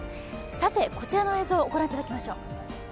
こちらの映像、御覧いただきましょう。